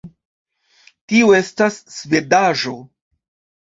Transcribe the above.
Tio estas svedaĵo